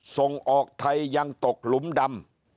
ส่งออกไทยยังตกหลุมดำ